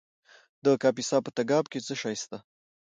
د کاپیسا په تګاب کې څه شی شته؟